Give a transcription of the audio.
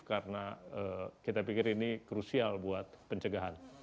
karena kita pikir ini krusial buat pencegahan